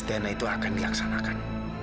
testiana itu akan dilaksanakan